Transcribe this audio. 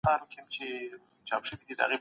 هیڅ انسان نسي کولای بل انسان واخلي یا وپلوري.